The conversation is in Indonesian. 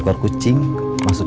saya akhirnya ke sana